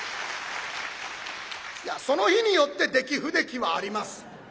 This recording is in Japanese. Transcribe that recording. いやその日によって出来不出来はあります。